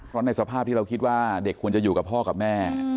เพราะในสภาพที่เราคิดว่าเด็กควรจะอยู่กับพ่อกับแม่